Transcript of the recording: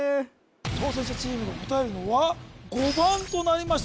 挑戦者チームが答えるのは５番となりました